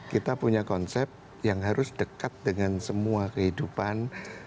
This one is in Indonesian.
kita punya konsep yang harus dekat dengan semua kehidupan